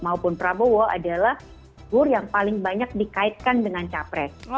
maupun prabowo adalah figur yang paling banyak dikaitkan dengan capres